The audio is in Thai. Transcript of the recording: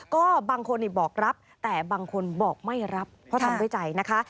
ก็บางคนบอกรับแต่บางคนบอกไม่รับเพราะทำด้วยใจนะคะ